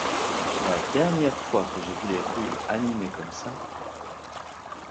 La dernière fois que j’ai vu les rues animées comme ça